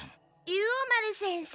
竜王丸先生。